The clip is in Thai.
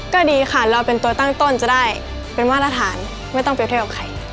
ก็ดีค่ะเราเป็นตัวตั้งต้นจะได้เป็นมาตรฐานไม่ต้องเปรียบเทียบกับใคร